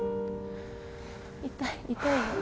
痛い痛いよ。